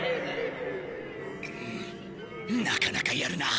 なかなかやるな。